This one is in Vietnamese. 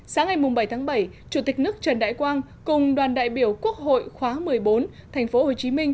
sáng ngày bảy tháng bảy chủ tịch nước trần đại quang cùng đoàn đại biểu quốc hội khóa một mươi bốn tp hcm